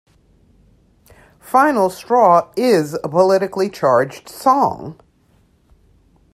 "Final Straw" is a politically charged song.